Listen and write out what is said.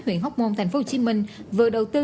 huyện hóc môn tp hcm vừa đầu tư